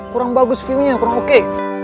kurang bagus kimia kurang oke